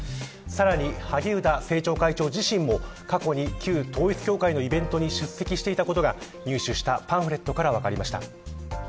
さらに萩生田政調会長自身も過去に旧統一教会のイベントに出席していたことが入手したパンフレットから分かりました。